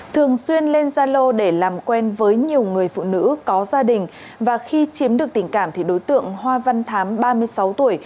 thường xuyên lên gia lô để làm quen với nhiều người phụ nữ có gia đình và khi chiếm được tình cảm thì đối tượng hoa văn thám ba mươi sáu tuổi